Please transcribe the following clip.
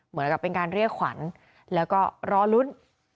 เหมือนกับเป็นการเรียกขวัญแล้วก็รอลุ้น